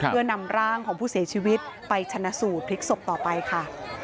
เพื่อนำร่างของผู้เสียชีวิตไปชนะสูตรพลิกศพต่อไปค่ะ